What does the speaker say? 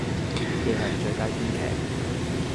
亦係最佳編劇